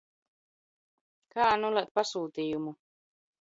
Kā anulēt pasūtījumu?